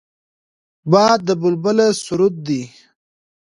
باد د بلبله سرود دی